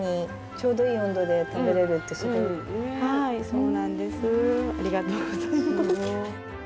そうなんですありがとうございます。